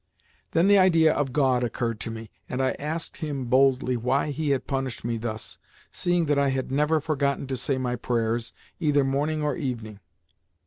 Then the idea of God occurred to me, and I asked Him boldly why He had punished me thus, seeing that I had never forgotten to say my prayers, either morning or evening.